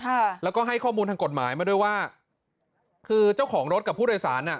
ค่ะแล้วก็ให้ข้อมูลทางกฎหมายมาด้วยว่าคือเจ้าของรถกับผู้โดยสารอ่ะ